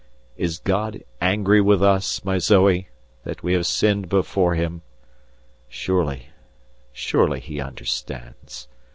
Is God angry with us, my Zoe, that we sinned before Him? Surely, surely He understands.